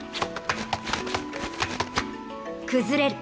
崩れる。